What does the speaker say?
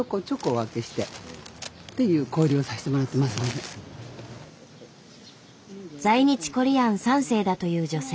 でも私在日コリアン３世だという女性。